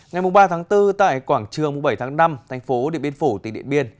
ngày ba bốn tại quảng trường bảy năm thành phố điện biên phủ tỉnh điện biên